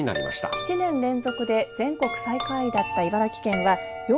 「７年連続で全国最下位だった茨城県は４２位」。